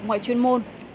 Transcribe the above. ngoại chuyên môn